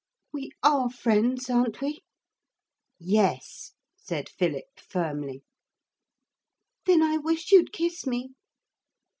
We are friends, aren't we?' 'Yes,' said Philip firmly. 'Then I wish you'd kiss me.'